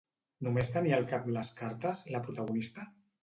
Només tenia al cap les cartes, la protagonista?